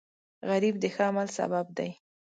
غریب د ښه عمل سبب دی